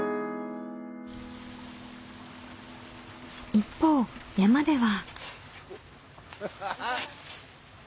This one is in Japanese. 一方山では。